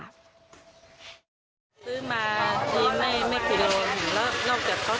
อีกครั้งแรกเลยครับ